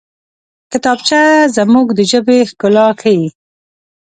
کتابچه زموږ د ژبې ښکلا ښيي